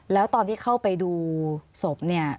แล้วตอนที่เข้าไปดูศพเนี่ย